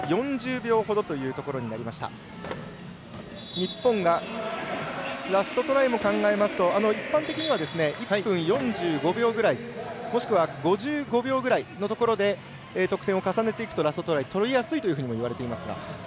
日本がラストトライも考えますと一般的には１分４５秒ぐらいもしくは５５秒ぐらいのところで得点を重ねていくとラストトライ取りやすいとも言われていますが。